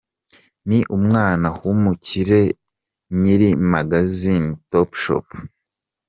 Ni umwana w’umukire nyiri magasins Topshop.